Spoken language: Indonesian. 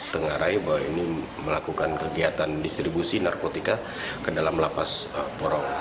tenggarai bahwa ini melakukan kegiatan distribusi narkotika ke dalam lapas porong